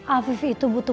afif itu butuh